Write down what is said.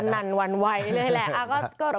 มันวรรณวัยแต่เลยแหละ